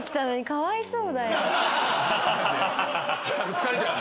疲れちゃう？